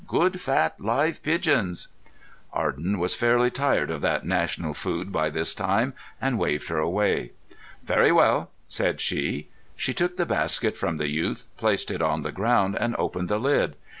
"Good, fat, live pigeons." Arden was fairly tired of that national food by this time, and waved her away. "Very well," said she. She took the basket from the youth, placed it on the ground, and opened the lid.